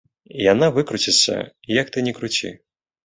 Яна выкруціцца, як ты ні круці.